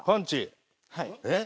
えっ？